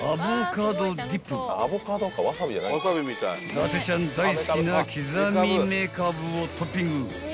［伊達ちゃん大好きな刻みめかぶをトッピング］